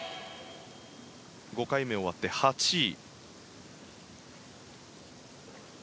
５回目終わって８位。